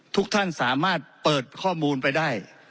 ทุกท่านสามารถเปิดข้อมูลไปได้